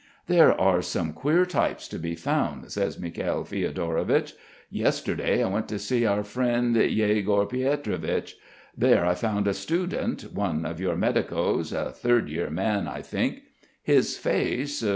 "There are some queer types to be found," says Mikhail Fiodorovich. "Yesterday I went to see our friend Yegor Pietrovich. There I found a student, one of your medicos, a third year man, I think. His face